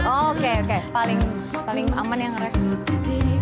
oh oke oke paling aman yang rev